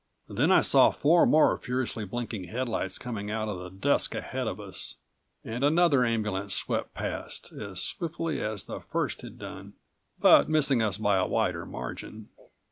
Then I saw four more furiously blinking headlights coming out of the dusk ahead of us, and another ambulance swept past, as swiftly as the first had done, but missing us by a wider margin.